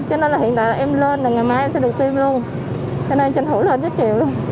cho nên hiện tại là em lên là ngày mai em sẽ được tiêm luôn cho nên tranh thủ lên cho chiều luôn